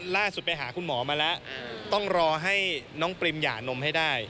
ล่าสุดไปหาคุณหมอมาแล้วต้องรอให้น้องปริมหย่านมให้ได้